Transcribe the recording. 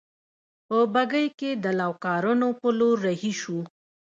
په بګۍ کې د لوکارنو په لور رهي شوو.